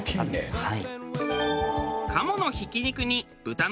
はい。